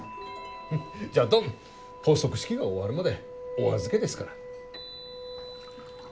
じゃっどん発足式が終わるまでお預けですから。